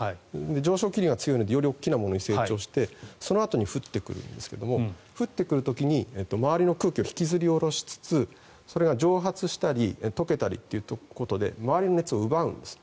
上昇気流が強いのでより大きなものに成長してそのあとに降ってくるんですが降ってくる時に周りの空気を引きずり下ろしつつそれが蒸発したり溶けたりということで周りの熱を奪うんです。